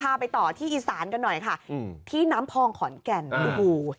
ไปต่อที่อีสานกันหน่อยค่ะอืมที่น้ำพองขอนแก่นโอ้โห